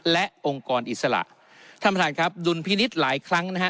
และองค์กรอิสระท่านประธานครับดุลพินิษฐ์หลายครั้งนะฮะ